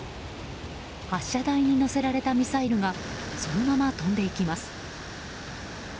発射台に載せられたミサイルがそのまま飛んでいきます。